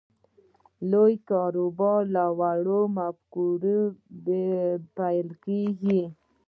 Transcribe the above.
لوی کاروبار له وړې مفکورې پیلېږي